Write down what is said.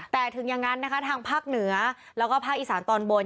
แต่ถึงอย่างนั้นนะคะทางภาคเหนือแล้วก็ภาคอีสานตอนบน